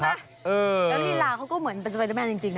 แล้วลีลาเขาก็เหมือนเป็นสไปเดอร์แมนจริงนะ